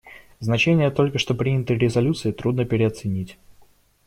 Значение только что принятой резолюции трудно переоценить.